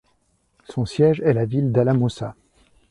Son siège est la ville d'Alamosa.